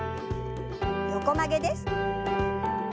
横曲げです。